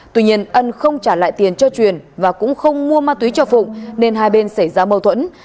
tuy nhiên ân không trả lại tiền cho truyền và cũng không mua ma túy cho phụng nên hai bên xảy ra mâu thuẫn